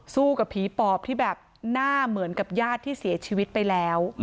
กับผีปอบที่แบบหน้าเหมือนกับญาติที่เสียชีวิตไปแล้ว